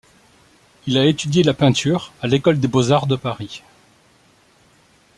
Il a étudié la peinture à l’École des beaux-arts de Paris.